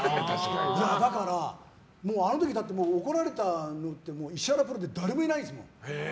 だからあの時、怒られたのって石原プロで誰もいないんですもん。